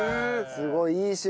すごいいい趣味。